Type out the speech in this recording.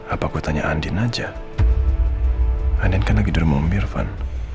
apakah tanya andin aja andin karena tidur sama om irfan